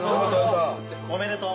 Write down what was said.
おめでとう。